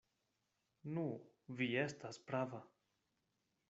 Nu, vi estas prava.